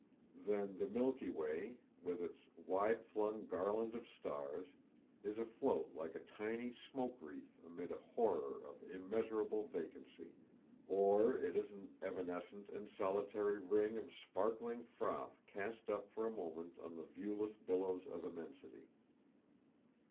Then the Milky Way, with its wide flung garland of stars, is afloat like a tiny smoke wreath amid a horror of immeasurable vacancy, or it is an evanescent and solitary ring of sparkling froth cast up for a moment on the viewless billows of immensity.